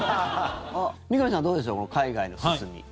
三上さん、どうでしょう海外の進み。